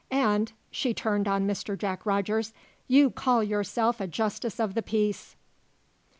And" she turned on Mr. Jack Rogers "you call yourself a justice of the peace!"